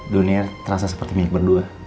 dunia terasa seperti milik berdua